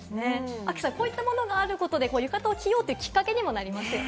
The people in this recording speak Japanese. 亜希さん、こういうものがあることで浴衣を着ようというきっかけにもなりますね。